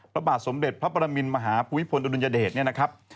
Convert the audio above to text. พระบาทสมเด็จพระปรมินมหาภูมิพลอดุลยเดชเนี่ยนะครับ